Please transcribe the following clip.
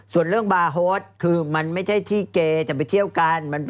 ส่วนเรื่องบาร์โฮสคือมันไม่ใช่ที่เกย์จะไปเที่ยวกัน